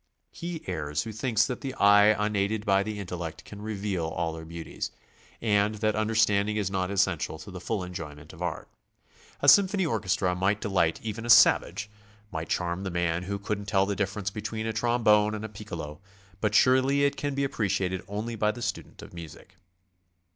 He errs who thinks that the eye unaided by the intel lect can reveal all their beauties, and that understanding is not essen<tial to the full enjoyment of art. A symphony or chestra might delight even a savage; might charm the man who couldn't tell the difference between a trombone and a piccolo; but surely it can be appreciated only by the student of music.